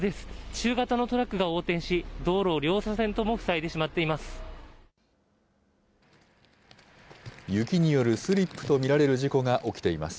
中型のトラックが横転し、道路を両車線とも塞いでしまっています。